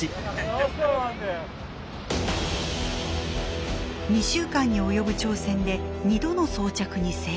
２週間におよぶ挑戦で２度の装着に成功。